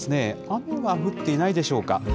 雨は降っていないでしょうか。